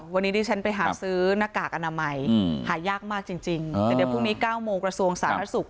วันนี้ดิฉันไปหาซื้อหน้ากากอนามหายากมากจริงแต่เดี๋ยวพรุ่งนี้๙โมงกระทรวงสาธารณสุข